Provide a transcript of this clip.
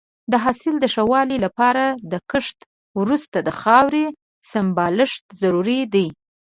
د حاصل د ښه والي لپاره د کښت وروسته د خاورې سمبالښت ضروري دی.